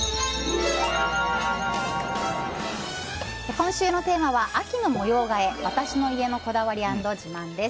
今週のテーマは、秋の模様替え私の家のこだわり＆自慢です。